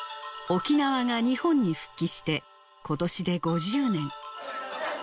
沖縄が日本に復帰してことしで５０年。